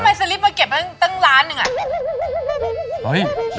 แล้วทำไมสลิปมาเก็บตั้งล้านหนึ่งอ่ะ